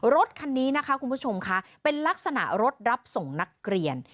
รถคันนี้นะคะคุณผู้ชมค่ะเป็นลักษณะรถรับส่งนักเรียน